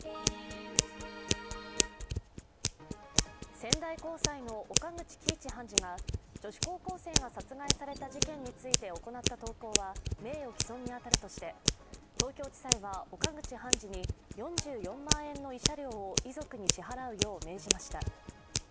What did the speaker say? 仙台高裁の岡口基一判事が女子高校生が殺害された事件について行った投稿は名誉毀損に当たるとして東京地裁は岡口判事に４４万円の慰謝料を遺族に支払うよう命じました。